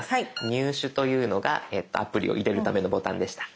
「入手」というのがアプリを入れるためのボタンでした。